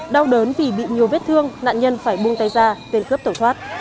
đau đớn vì bị nhiều vết thương nạn nhân phải buông tay ra tên cướp tổ thoát